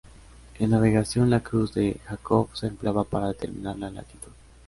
En navegación la cruz de jacob se empleaba para determinar la latitud.